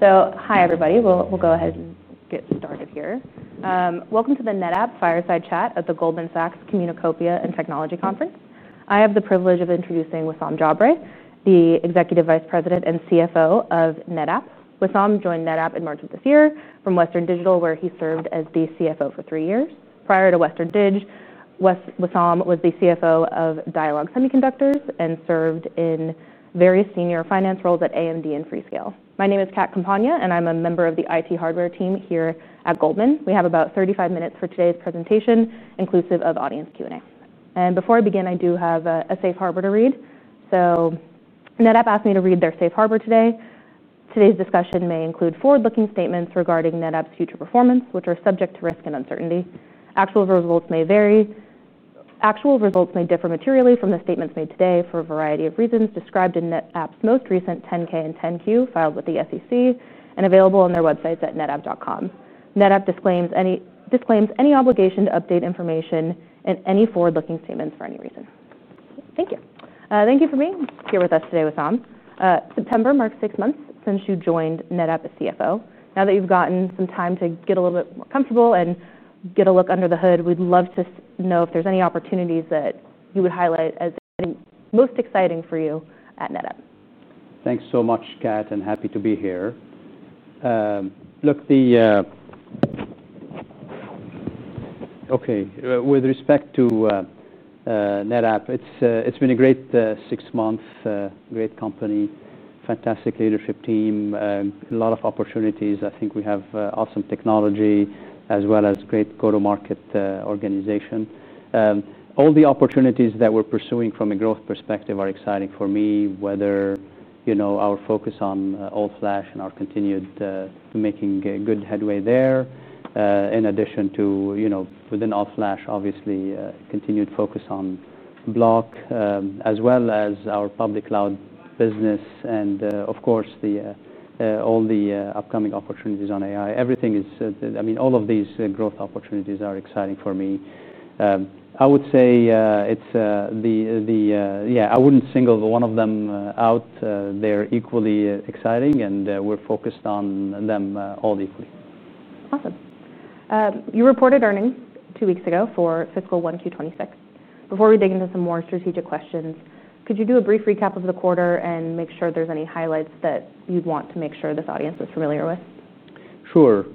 Hi, everybody. We'll go ahead and get started here. Welcome to the NetApp Fireside Chat at the Goldman Sachs Communicopia and Technology Conference. I have the privilege of introducing Wissam Jabry, the Executive Vice President and CFO of NetApp. Wissam joined NetApp in March of this year from Western Digital, where he served as the CFO for three years. Prior to Western Digital, Wissam was the CFO of Dialog Semiconductor and served in various senior finance roles at AMD and FreeScale. My name is Kat Campagna, and I'm a member of the IT hardware team here at Goldman. We have about 35 minutes for today's presentation, inclusive of audience Q&A. Before I begin, I do have a safe harbor to read. NetApp asked me to read their safe harbor today. Today's discussion may include forward-looking statements regarding NetApp's future performance, which are subject to risk and uncertainty. Actual results may vary. Actual results may differ materially from the statements made today for a variety of reasons described in NetApp's most recent 10-K and 10-Q filed with the SEC and available on their website at netapp.com. NetApp disclaims any obligation to update information in any forward-looking statements for any reason. Thank you for being here with us today, Wissam. September marks six months since you joined NetApp as CFO. Now that you've gotten some time to get a little bit more comfortable and get a look under the hood, we'd love to know if there's any opportunities that you would highlight as being most exciting for you at NetApp. Thanks so much, Kat, and happy to be here. With respect to NetApp, it's been a great six months, great company, fantastic leadership team, a lot of opportunities. I think we have awesome technology, as well as a great go-to-market organization. All the opportunities that we're pursuing from a growth perspective are exciting for me, whether our focus on all-flash and our continued making good headway there, in addition to within all-flash, obviously, continued focus on block, as well as our public cloud business, and of course, all the upcoming opportunities on AI. All of these growth opportunities are exciting for me. I would say I wouldn't single one of them out. They're equally exciting, and we're focused on them all equally. Awesome. You reported earnings two weeks ago for fiscal 1Q 2026. Before we dig into some more strategic questions, could you do a brief recap of the quarter and make sure there's any highlights that you'd want to make sure this audience is familiar with? Sure.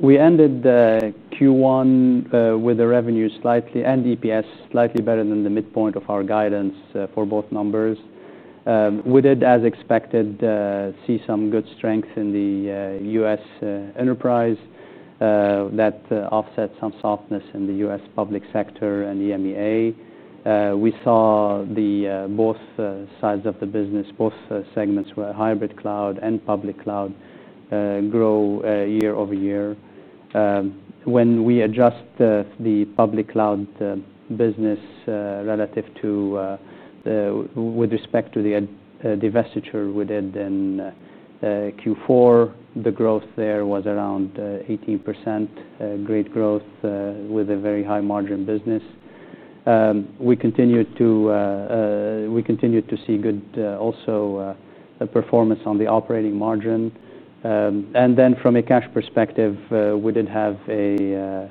We ended Q1 with the revenue slightly and EPS slightly better than the midpoint of our guidance for both numbers. We did, as expected, see some good strength in the U.S. enterprise that offset some softness in the U.S. public sector and EMEA. We saw both sides of the business, both segments where hybrid cloud and public cloud grow year over year. When we adjust the public cloud business with respect to the divestiture we did in Q4, the growth there was around 18%, great growth with a very high margin business. We continued to see good, also, performance on the operating margin. From a cash perspective, we did have a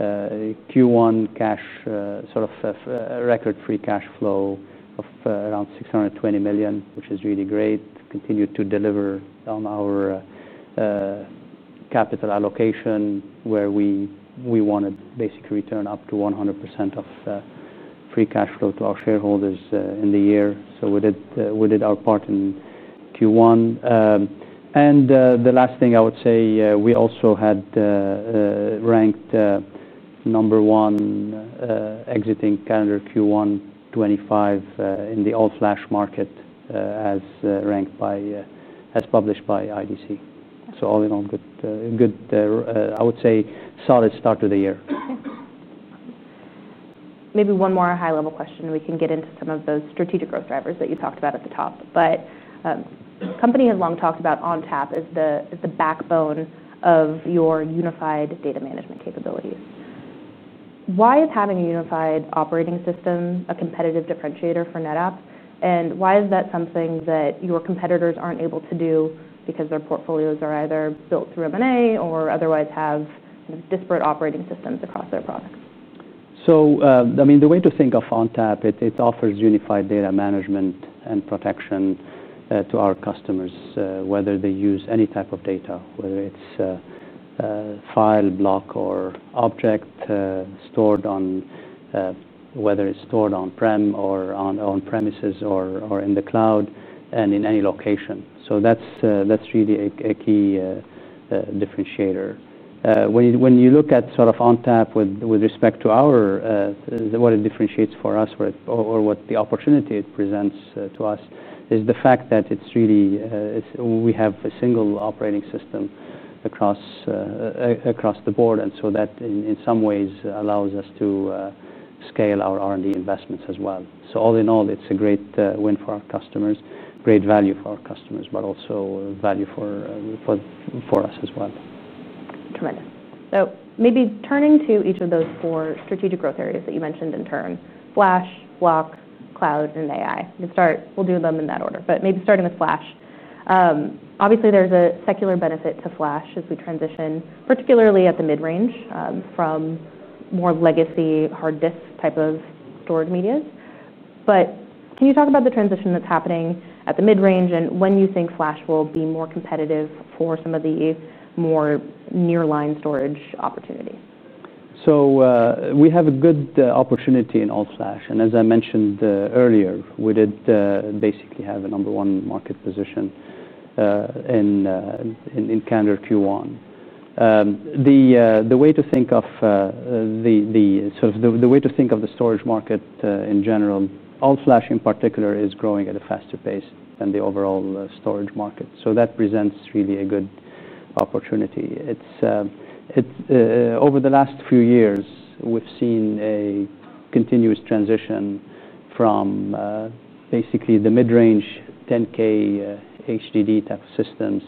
Q1 cash record free cash flow of around $620 million, which is really great. We continued to deliver on our capital allocation where we wanted basically to return up to 100% of free cash flow to our shareholders in the year. We did our part in Q1. The last thing I would say, we also had ranked number one exiting calendar Q1 2025 in the all-flash market as published by IDC. All in all, good, I would say, solid start to the year. Maybe one more high-level question, and we can get into some of those strategic growth drivers that you talked about at the top. The company has long talked about ONTAP as the backbone of your unified data management capabilities. Why is having a unified operating system a competitive differentiator for NetApp? Why is that something that your competitors aren't able to do because their portfolios are either built through M&A or otherwise have disparate operating systems across their products? The way to think of ONTAP, it offers unified data management and protection to our customers, whether they use any type of data, whether it's file, block, or object stored on whether it's stored on-premises or in the cloud and in any location. That's really a key differentiator. When you look at sort of ONTAP with respect to what it differentiates for us or what the opportunity it presents to us is the fact that we have a single operating system across the board. In some ways, that allows us to scale our R&D investments as well. All in all, it's a great win for our customers, great value for our customers, but also value for us as well. Tremendous. Maybe turning to each of those four strategic growth areas that you mentioned in turn: flash, block, cloud, and AI. We'll do them in that order, but maybe starting with flash. Obviously, there's a secular benefit to flash as we transition, particularly at the mid-range from more legacy hard disk type of stored medias. Can you talk about the transition that's happening at the mid-range and when you think flash will be more competitive for some of the more nearline storage opportunity? We have a good opportunity in all-flash. As I mentioned earlier, we did basically have a number one market position in calendar 2023 Q1. The way to think of the storage market in general, all-flash in particular, is growing at a faster pace than the overall storage market. That presents really a good opportunity. Over the last few years, we've seen a continuous transition from basically the mid-range 10K HDD type of systems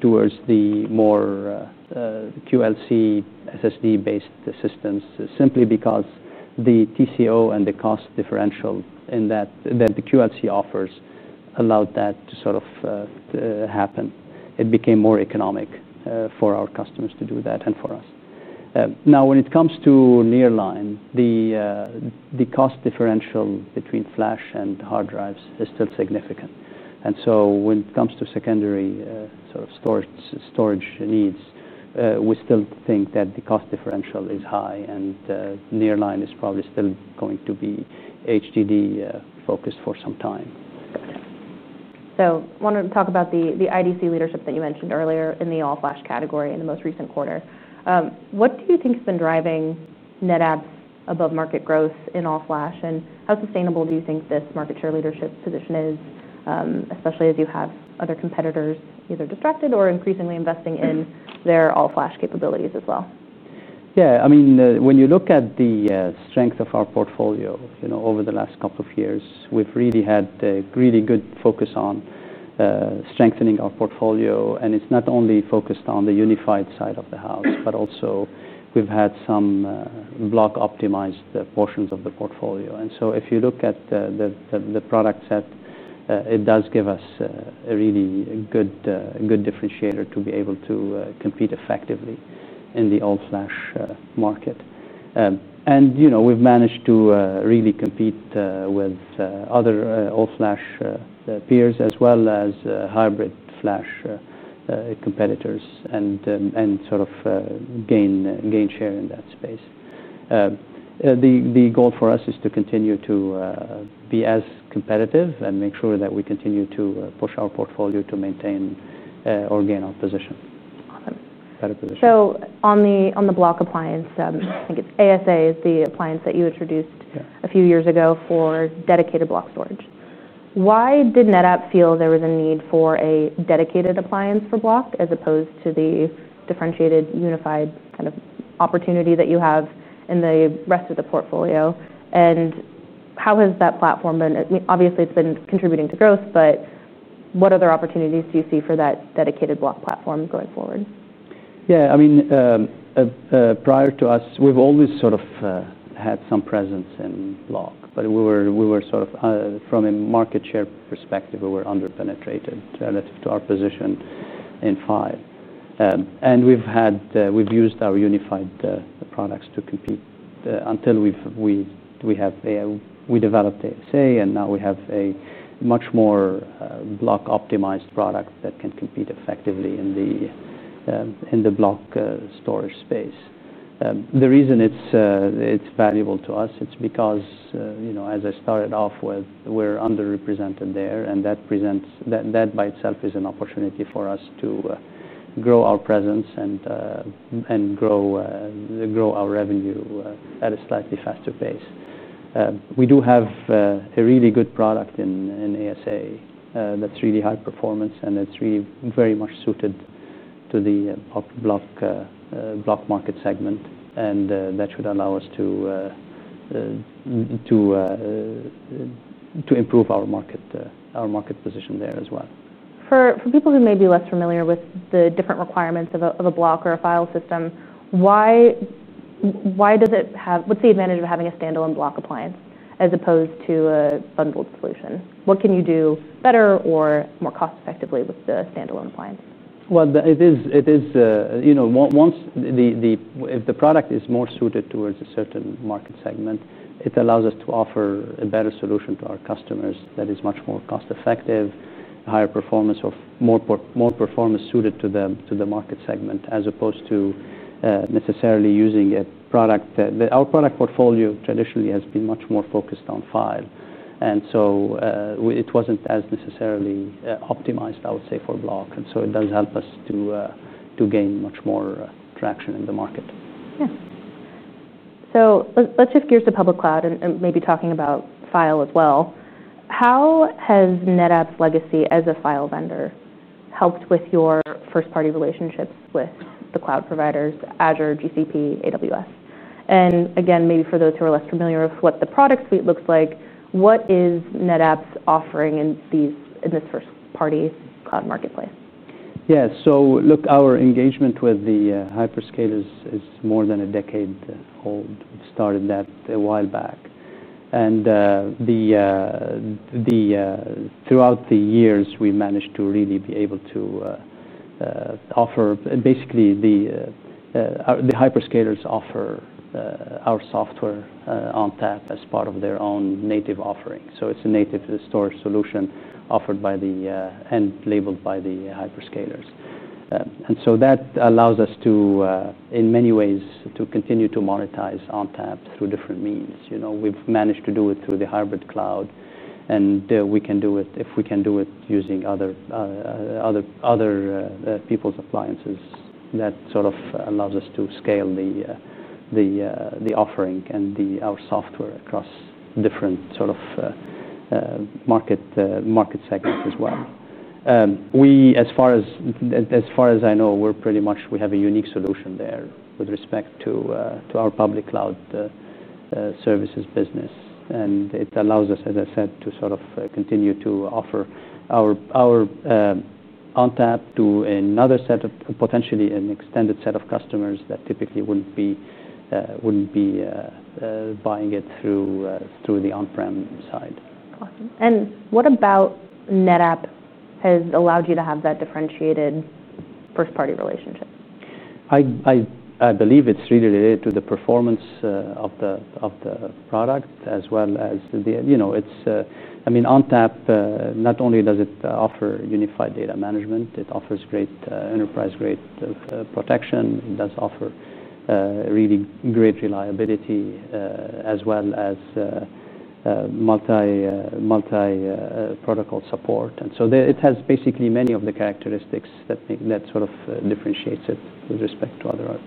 towards the more QLC SSD-based systems simply because the TCO and the cost differential that the QLC offers allowed that to sort of happen. It became more economic for our customers to do that and for us. When it comes to nearline, the cost differential between flash and hard drives is still significant. When it comes to secondary storage needs, we still think that the cost differential is high, and nearline is probably still going to be HDD-focused for some time. I want to talk about the IDC leadership that you mentioned earlier in the all-flash category in the most recent quarter. What do you think has been driving NetApp's above-market growth in all-flash, and how sustainable do you think this market share leadership position is, especially as you have other competitors either distracted or increasingly investing in their all-flash capabilities as well? Yeah, I mean, when you look at the strengths of our portfolio over the last couple of years, we've really had a really good focus on strengthening our portfolio. It's not only focused on the unified side of the house, but also we've had some block-optimized portions of the portfolio. If you look at the product set, it does give us a really good differentiator to be able to compete effectively in the all-flash market. We've managed to really compete with other all-flash peers, as well as hybrid flash competitors, and sort of gain share in that space. The goal for us is to continue to be as competitive and make sure that we continue to push our portfolio to maintain or gain our position. On the block appliance, I think it's ASA is the appliance that you introduced a few years ago for dedicated block storage. Why did NetApp feel there was a need for a dedicated appliance for block as opposed to the differentiated unified kind of opportunity that you have in the rest of the portfolio? How has that platform been? I mean, obviously, it's been contributing to growth, but what other opportunities do you see for that dedicated block platform going forward? Yeah, I mean, prior to us, we've always sort of had some presence in block, but we were sort of, from a market share perspective, we were underpenetrated relative to our position in file. We've used our unified products to compete until we developed ASA, and now we have a much more block-optimized product that can compete effectively in the block storage space. The reason it's valuable to us is because, as I started off, we're underrepresented there, and that by itself is an opportunity for us to grow our presence and grow our revenue at a slightly faster pace. We do have a really good product in ASA that's really high performance, and it's really very much suited to the block market segment. That should allow us to improve our market position there as well. For people who may be less familiar with the different requirements of a block or a file system, why does it have, what's the advantage of having a standalone block appliance as opposed to a bundled solution? What can you do better or more cost-effectively with the standalone appliance? If the product is more suited towards a certain market segment, it allows us to offer a better solution to our customers that is much more cost-effective, higher performance, or more performance suited to the market segment, as opposed to necessarily using a product that our product portfolio traditionally has been much more focused on file. It wasn't as necessarily optimized, I would say, for block, and it does help us to gain much more traction in the market. Yeah. Let's shift gears to public cloud and maybe talking about file as well. How has NetApp's legacy as a file vendor helped with your first-party relationships with the cloud providers, Azure, GCP, AWS? Maybe for those who are less familiar with what the product suite looks like, what is NetApp's offering in this first-party cloud marketplace? Yeah, so look, our engagement with the hyperscalers is more than a decade old. We started that a while back. Throughout the years, we've managed to really be able to offer basically, the hyperscalers offer our software ONTAP as part of their own native offering. It's a native storage solution offered by and labeled by the hyperscalers. That allows us to, in many ways, continue to monetize ONTAP through different means. We've managed to do it through the hybrid cloud, and we can do it if we can do it using other people's appliances. That allows us to scale the offering and our software across different market segments as well. As far as I know, we have a unique solution there with respect to our public cloud services business. It allows us, as I said, to continue to offer our ONTAP to another set of potentially an extended set of customers that typically wouldn't be buying it through the on-prem side. Awesome. What about NetApp has allowed you to have that differentiated first-party relationship? I believe it's really related to the performance of the product, as well as the, you know, ONTAP, not only does it offer unified data management, it offers great enterprise-grade protection. It does offer really great reliability, as well as multi-protocol support. It has basically many of the characteristics that sort of differentiates it with respect to other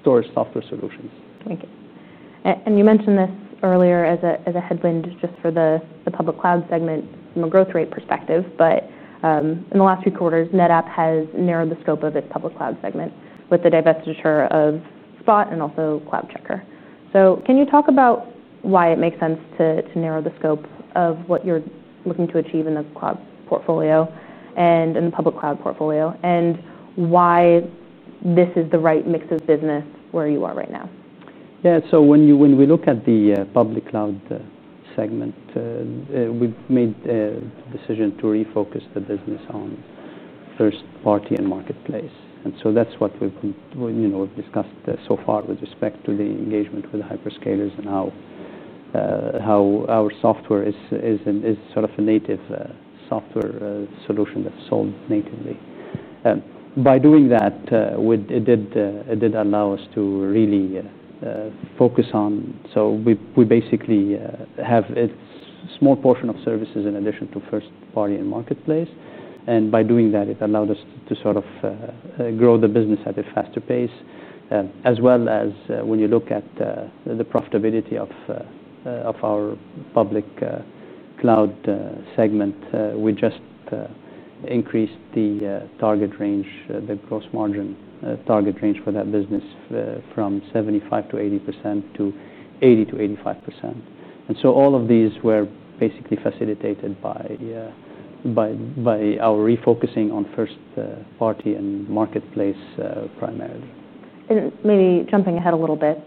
storage software solutions. Thank you. You mentioned this earlier as a headwind just for the public cloud segment from a growth rate perspective. In the last few quarters, NetApp has narrowed the scope of its public cloud segment with the divestiture of Spot and also CloudCheckr. Can you talk about why it makes sense to narrow the scope of what you're looking to achieve in the cloud portfolio and in the public cloud portfolio and why this is the right mix of business where you are right now? Yeah, so when we look at the public cloud segment, we made a decision to refocus the business on first-party and marketplace. That's what we've discussed so far with respect to the engagement with hyperscalers and how our software is sort of a native software solution that's sold natively. By doing that, it did allow us to really focus on, so we basically have a small portion of services in addition to first-party and marketplace. By doing that, it allowed us to sort of grow the business at a faster pace. As well as when you look at the profitability of our public cloud segment, we just increased the target range, the gross margin target range for that business from 75% to 80% to 80% to 85%. All of these were basically facilitated by our refocusing on first-party and marketplace primarily. Maybe jumping ahead a little bit,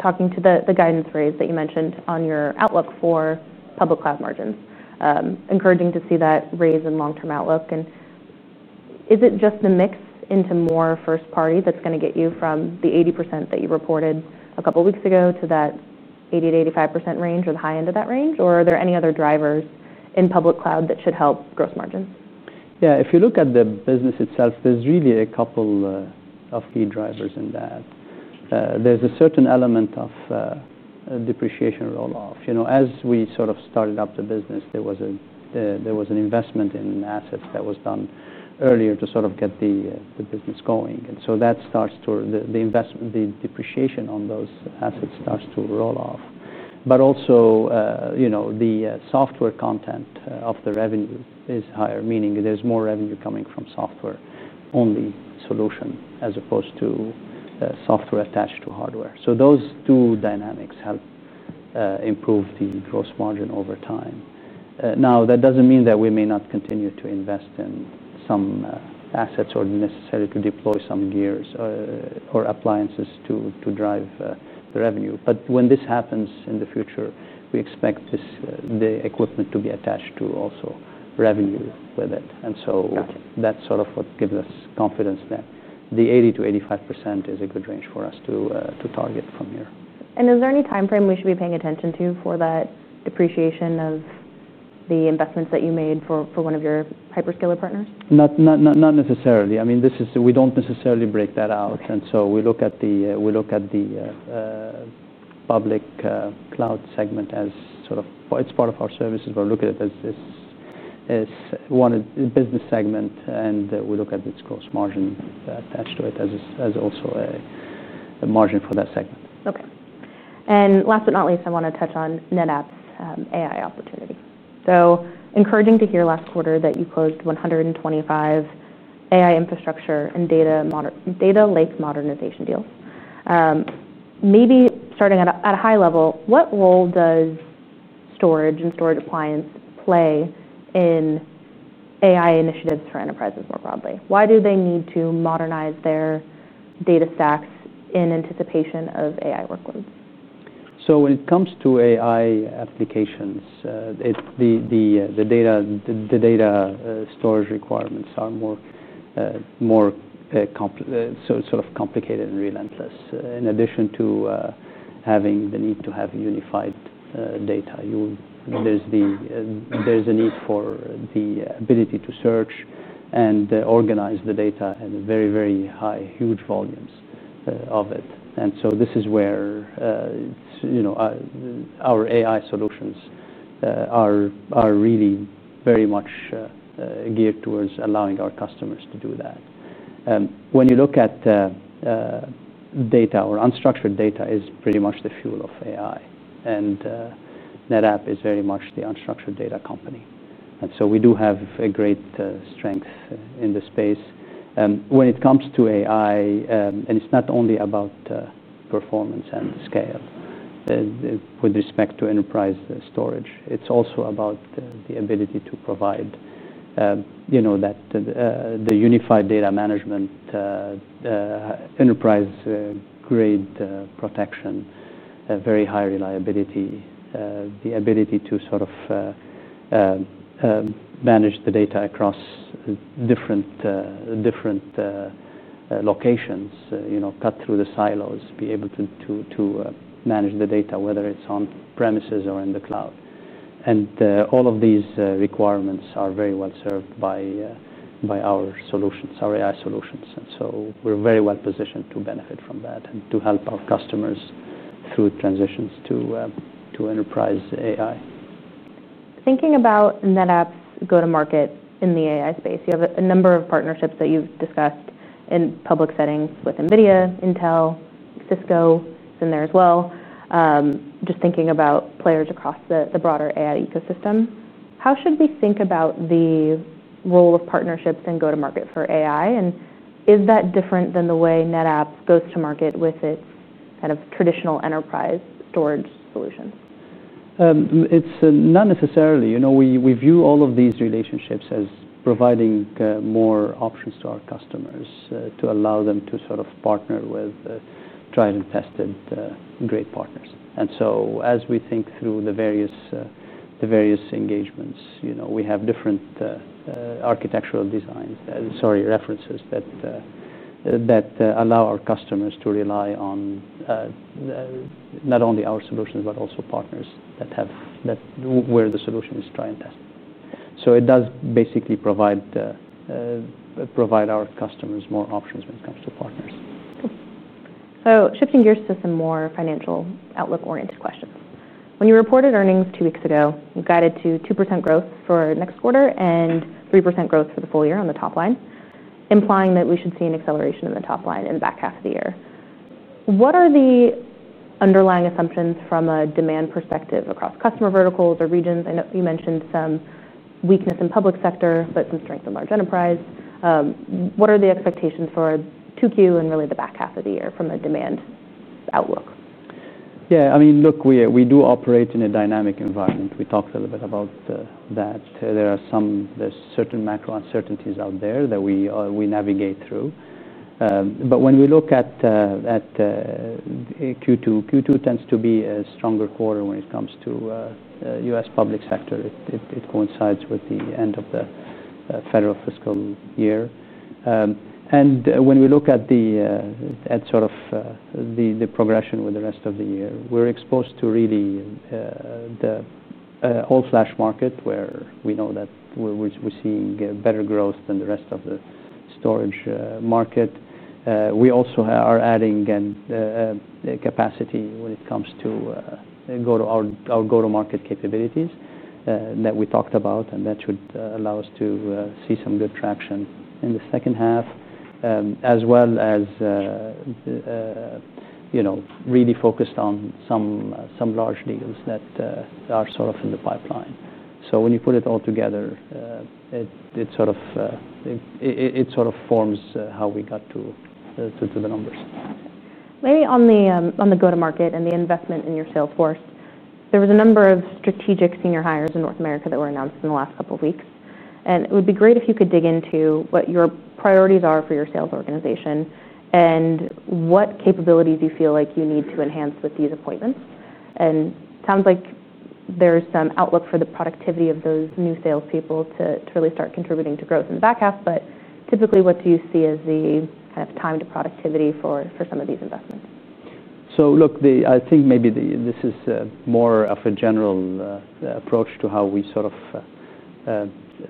talking to the guidance rate that you mentioned on your outlook for public cloud margins, it's encouraging to see that raise in long-term outlook. Is it just the mix into more first-party that's going to get you from the 80% that you reported a couple of weeks ago to that 80% to 85% range or the high end of that range? Are there any other drivers in public cloud that should help gross margins? Yeah, if you look at the business itself, there's really a couple of key drivers in that. There's a certain element of depreciation roll-off. As we sort of started up the business, there was an investment in assets that was done earlier to sort of get the business going. That starts to, the depreciation on those assets starts to roll off. Also, you know, the software content of the revenue is higher, meaning there's more revenue coming from software-only solution as opposed to the software attached to hardware. Those two dynamics help improve the gross margin over time. That doesn't mean that we may not continue to invest in some assets or necessarily to deploy some gears or appliances to drive the revenue. When this happens in the future, we expect the equipment to be attached to also revenue with it. That's sort of what gives us confidence that the 80% to 85% is a good range for us to target from here. Is there any time frame we should be paying attention to for that depreciation of the investments that you made for one of your hyperscaler partners? Not necessarily. I mean, we don't necessarily break that out. We look at the public cloud segment as sort of it's part of our services. We look at it as one business segment, and we look at its gross margin attached to it as also a margin for that segment. OK. Last but not least, I want to touch on NetApp's AI opportunity. It was encouraging to hear last quarter that you closed 125 AI infrastructure and data lake modernization deals. Maybe starting at a high level, what role does storage and storage appliance play in AI initiatives for enterprises more broadly? Why do they need to modernize their data stacks in anticipation of AI workloads? When it comes to AI applications, the data storage requirements are more sort of complicated and relentless. In addition to having the need to have unified data, there's a need for the ability to search and organize the data at very, very high, huge volumes of it. This is where our AI solutions are really very much geared towards allowing our customers to do that. When you look at data or unstructured data, it's pretty much the fuel of AI. NetApp is very much the unstructured data company, and we do have a great strength in the space. When it comes to AI, it's not only about performance and scale with respect to enterprise storage, it's also about the ability to provide the unified data management, enterprise-grade protection, very high reliability, and the ability to sort of manage the data across different locations, cut through the silos, and be able to manage the data, whether it's on-premises or in the cloud. All of these requirements are very well served by our solutions, our AI solutions. We're very well positioned to benefit from that and to help our customers through transitions to enterprise AI. Thinking about NetApp's go-to-market in the AI space, you have a number of partnerships that you've discussed in public settings with NVIDIA, Intel, Cisco in there as well. Just thinking about players across the broader AI ecosystem, how should we think about the role of partnerships in go-to-market for AI? Is that different than the way NetApp goes to market with its kind of traditional enterprise storage solutions? We view all of these relationships as providing more options to our customers to allow them to sort of partner with tried and tested great partners. As we think through the various engagements, we have different architectural references that allow our customers to rely on not only our solutions, but also partners where the solution is tried and tested. It does basically provide our customers more options when it comes to partners. OK. Shifting gears to some more financial outlook-oriented questions. When you reported earnings two weeks ago, you guided to 2% growth for next quarter and 3% growth for the full year on the top line, implying that we should see an acceleration in the top line in the back half of the year. What are the underlying assumptions from a demand perspective across customer verticals or regions? I know you mentioned some weakness in the public sector, but some strength in large enterprise. What are the expectations for 2Q and really the back half of the year from a demand outlook? Yeah, I mean, look, we do operate in a dynamic environment. We talked a little bit about that. There are some certain macro uncertainties out there that we navigate through. When we look at Q2, Q2 tends to be a stronger quarter when it comes to the U.S. public sector. It coincides with the end of the federal fiscal year. When we look at sort of the progression with the rest of the year, we're exposed to really the all-flash market where we know that we're seeing better growth than the rest of the storage market. We also are adding capacity when it comes to our go-to-market capabilities that we talked about. That should allow us to see some good traction in the second half, as well as really focused on some large deals that are sort of in the pipeline. When you put it all together, it sort of forms how we got to the numbers. Gotcha. Maybe on the go-to-market and the investment in your sales force, there was a number of strategic senior hires in North America that were announced in the last couple of weeks. It would be great if you could dig into what your priorities are for your sales organization and what capabilities you feel like you need to enhance with these appointments. It sounds like there's some outlook for the productivity of those new salespeople to really start contributing to growth in the back half. Typically, what do you see as the kind of time to productivity for some of these investments? I think maybe this is more of a general approach to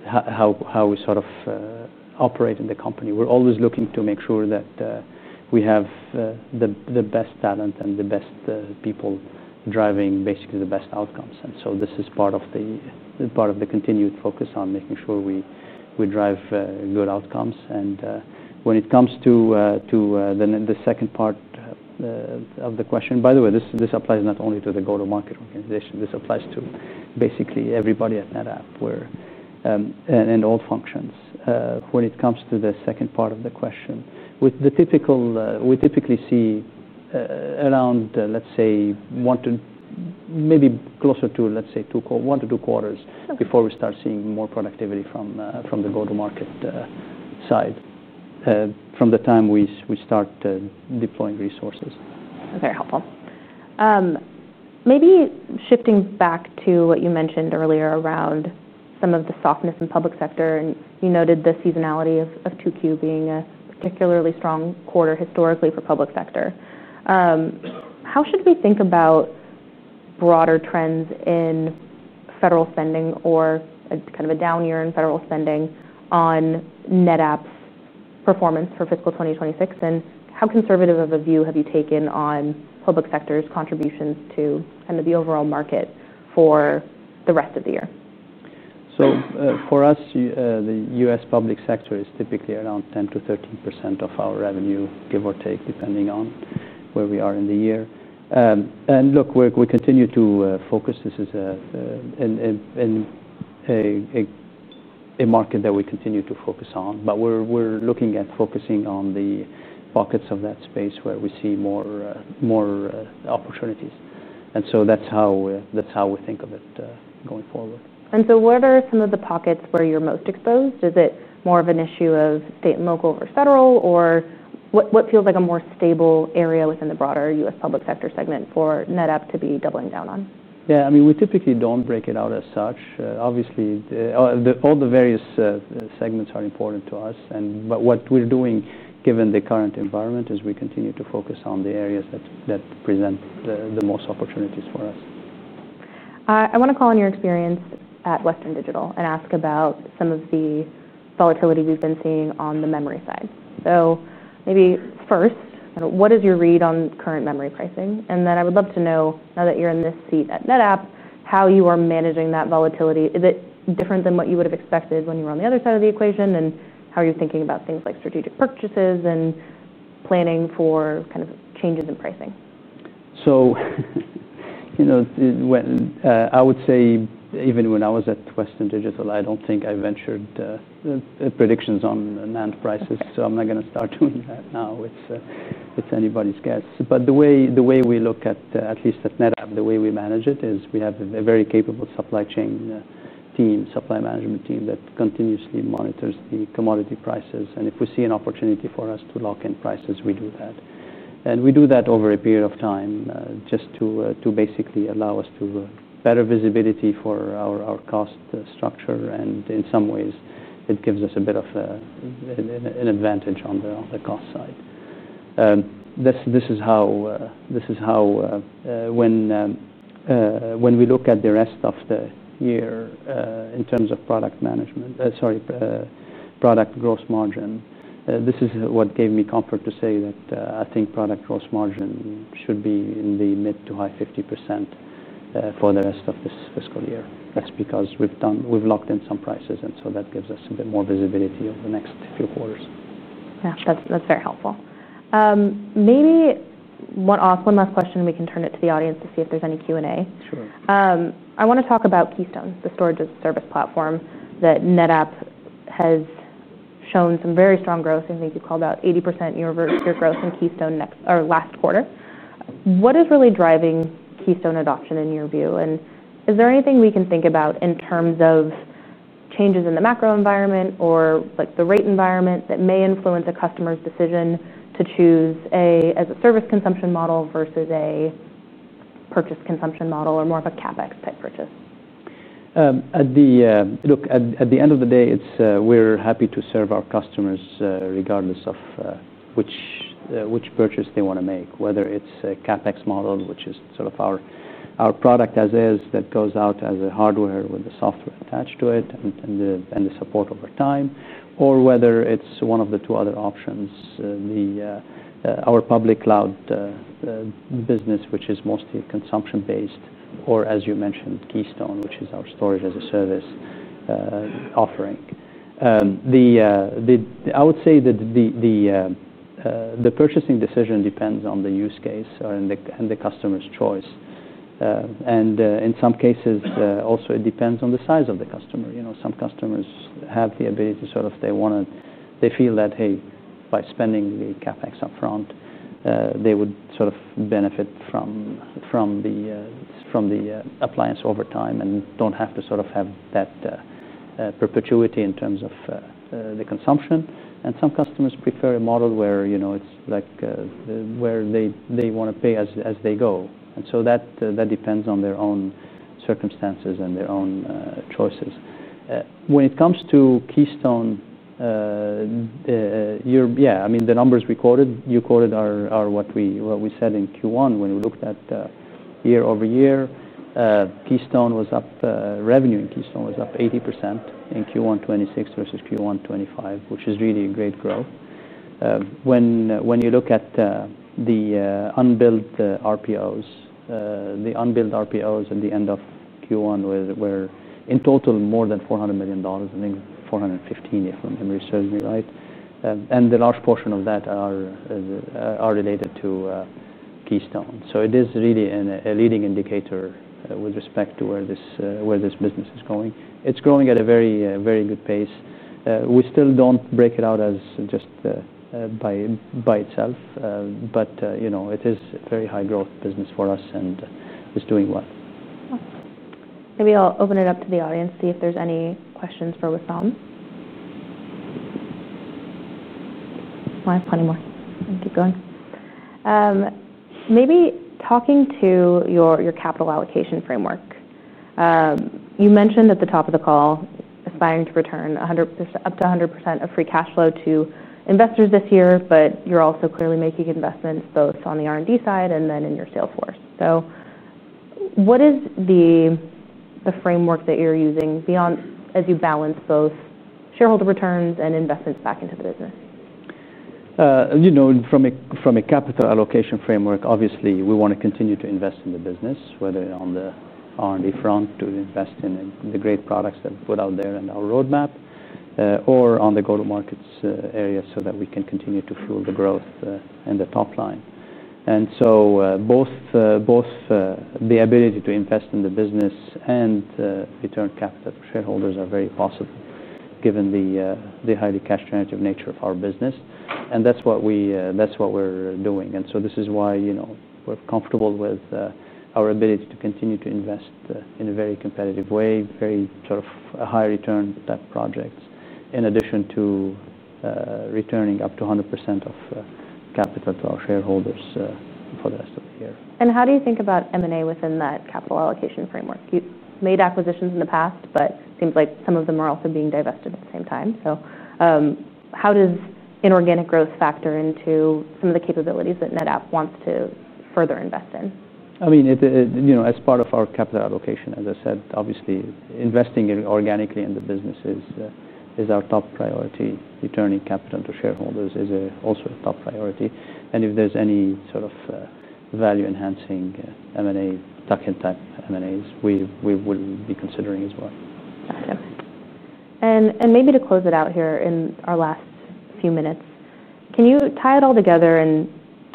how we sort of operate in the company. We're always looking to make sure that we have the best talent and the best people driving basically the best outcomes. This is part of the continued focus on making sure we drive good outcomes. When it comes to the second part of the question, by the way, this applies not only to the go-to-market organization. This applies to basically everybody at NetApp in all functions. When it comes to the second part of the question, we typically see around, let's say, maybe closer to, let's say, one to two quarters before we start seeing more productivity from the go-to-market side from the time we start deploying resources. That's very helpful. Maybe shifting back to what you mentioned earlier around some of the softness in the public sector. You noted the seasonality of 2Q being a particularly strong quarter historically for public sector. How should we think about broader trends in federal spending or kind of a down year in federal spending on NetApp's performance for fiscal 2026? How conservative of a view have you taken on public sector's contribution to the overall market for the rest of the year? For us, the U.S. public sector is typically around 10% to 13% of our revenue, give or take, depending on where we are in the year. We continue to focus. This is a market that we continue to focus on. We're looking at focusing on the pockets of that space where we see more opportunities, and that's how we think of it going forward. What are some of the pockets where you're most exposed? Is it more of an issue of state and local over federal? What feels like a more stable area within the broader U.S. public sector segment for NetApp to be doubling down on? Yeah, I mean, we typically don't break it out as such. Obviously, all the various segments are important to us. What we're doing, given the current environment, is we continue to focus on the areas that present the most opportunities for us. I want to call on your experience at Western Digital and ask about some of the volatility we've been seeing on the memory side. What is your read on current memory pricing? I would love to know, now that you're in this seat at NetApp, how you are managing that volatility. Is it different than what you would have expected when you were on the other side of the equation? How are you thinking about things like strategic purchases and planning for kind of changes in pricing? I would say even when I was at Western Digital, I don't think I ventured predictions on NAND prices. I'm not going to start doing that now. It's anybody's guess. The way we look at it, at least at NetApp, the way we manage it is we have a very capable supply chain team, supply management team that continuously monitors the commodity prices. If we see an opportunity for us to lock in prices, we do that. We do that over a period of time just to basically allow us better visibility for our cost structure. In some ways, it gives us a bit of an advantage on the cost side. This is how, when we look at the rest of the year in terms of product gross margin, this is what gave me comfort to say that I think product gross margin should be in the mid to high 50% for the rest of this fiscal year. That's because we've locked in some prices, and that gives us a bit more visibility over the next few quarters. Yeah, that's very helpful. Maybe one last question, and we can turn it to the audience to see if there's any Q&A. Sure. I want to talk about Keystone, the storage-as-a-service platform that NetApp has shown some very strong growth. I think you called out 80% year-over-year growth in Keystone last quarter. What is really driving Keystone adoption in your view? Is there anything we can think about in terms of changes in the macro environment or the rate environment that may influence a customer's decision to choose an as-a-service consumption model versus a purchase consumption model or more of a CapEx type purchase? Look, at the end of the day, we're happy to serve our customers regardless of which purchase they want to make, whether it's a CapEx model, which is sort of our product as is that goes out as a hardware with the software attached to it and the support over time, or whether it's one of the two other options, our public cloud business, which is mostly consumption-based, or as you mentioned, Keystone, which is our storage-as-a-service offering. I would say that the purchasing decision depends on the use case and the customer's choice. In some cases, also, it depends on the size of the customer. Some customers have the ability to sort of they want to they feel that, hey, by spending the CapEx upfront, they would sort of benefit from the appliance over time and don't have to sort of have that perpetuity in terms of the consumption. Some customers prefer a model where they want to pay as they go. That depends on their own circumstances and their own choices. When it comes to Keystone, yeah, I mean, the numbers you quoted are what we said in Q1. When we looked at year over year, revenue in Keystone was up 80% in Q1 2026 versus Q1 2025, which is really a great growth. When you look at the unbilled RPOs, the unbilled RPOs at the end of Q1 were in total more than $400 million, I think $415 million, if I'm researching right. The large portion of that is related to Keystone. It is really a leading indicator with respect to where this business is going. It's growing at a very, very good pace. We still don't break it out just by itself, but it is a very high-growth business for us and is doing well. Maybe I'll open it up to the audience, see if there's any questions for Wissam. I have plenty more. We can keep going. Maybe talking to your capital allocation framework, you mentioned at the top of the call aspiring to return up to 100% of free cash flow to investors this year. You're also clearly making investments both on the R&D side and in your sales force. What is the framework that you're using as you balance both shareholder returns and investments back into the business? From a capital allocation framework, obviously, we want to continue to invest in the business, whether on the R&D front to invest in the great products that we put out there in our roadmap or on the go-to-market area so that we can continue to fuel the growth and the top line. Both the ability to invest in the business and return capital to shareholders are very positive, given the highly cash-generative nature of our business. That's what we're doing. This is why we're comfortable with our ability to continue to invest in a very competitive way, very sort of high-return type projects, in addition to returning up to 100% of capital to our shareholders for the rest of the year. How do you think about M&A within that capital allocation framework? You've made acquisitions in the past, but it seems like some of them are also being divested at the same time. How does inorganic growth factor into some of the capabilities that NetApp wants to further invest in? I mean, as part of our capital allocation, as I said, obviously, investing organically in the business is our top priority. Returning capital to shareholders is also a top priority. If there's any sort of value-enhancing M&A, tuck-in type M&As, we will be considering as well. Gotcha. Maybe to close it out here in our last few minutes, can you tie it all together and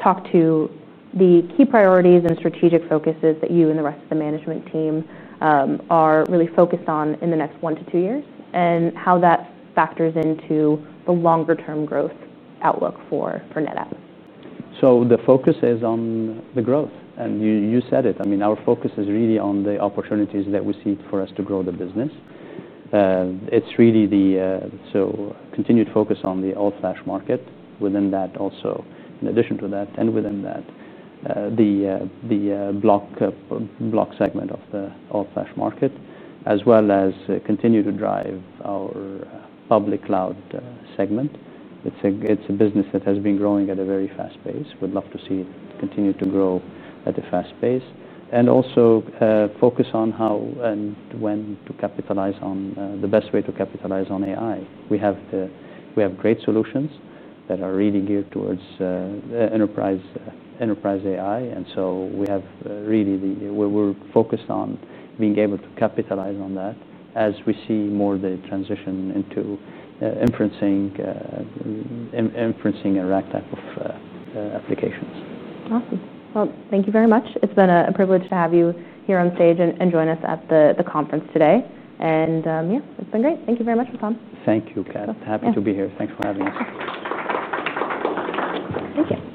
talk to the key priorities and strategic focuses that you and the rest of the management team are really focused on in the next one to two years and how that factors into the longer-term growth outlook for NetApp? The focus is on the growth. You said it. Our focus is really on the opportunities that we see for us to grow the business. It's really the continued focus on the all-flash market. In addition to that and within that, the block segment of the all-flash market, as well as continue to drive our public cloud segment. It's a business that has been growing at a very fast pace. We'd love to see it continue to grow at a fast pace. Also focus on how and when to capitalize on the best way to capitalize on AI. We have great solutions that are really geared towards enterprise AI. We have really focused on being able to capitalize on that as we see more of the transition into inferencing and RAC type of applications. Awesome. Thank you very much. It's been a privilege to have you here on stage and join us at the conference today. It's been great. Thank you very much, Wissam. Thank you, Kat. Happy to be here. Thanks for having us. Take care. Thank you.